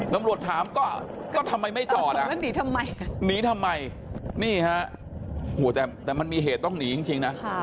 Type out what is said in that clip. น้ำรวจถามก็ทำไมไม่จอดหนีทำไมนี่ฮะแต่มันมีเหตุต้องหนีจริงนะ